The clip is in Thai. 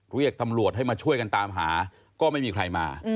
เรียกตำรวจให้มาช่วยกันตามหาก็ไม่มีใครมา